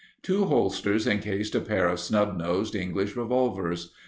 Two holsters encased a pair of snub nosed English revolvers.